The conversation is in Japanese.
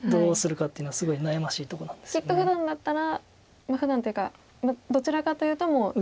きっとふだんだったらふだんというかどちらかというともう。